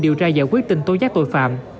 điều tra giải quyết tình tố giác tội phạm